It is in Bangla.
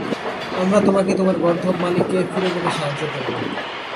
আমরা তোমাকে তোমার গর্দভ মালিককে ফিরে পেতে সাহায্য করব।